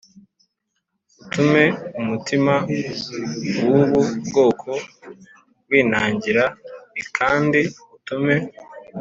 Utume umutima w ubu bwoko winangira l kandi utume